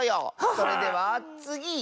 それではつぎ！